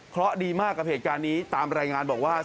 เพราะดีมากกับเหตุการณ์นี้ตามรายงานบอกว่า